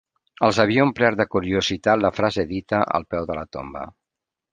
Els havia omplert de curiositat la frase dita, al peu de la tomba